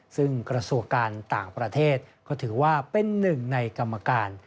ซึ่งกระทรวงการต่างประเทศก็ถือว่าเป็นหนึ่งในกรรมการ